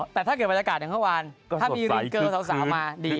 แต่ถ้าเกิดบรรยากาศอย่างทุกวันถ้ามียุตเกิร์นสาวสาวมาดี